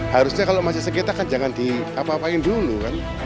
harusnya kalau masih sekitar kan jangan diapa apain dulu kan